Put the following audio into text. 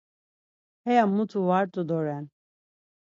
Haya mutu var t̆u doren.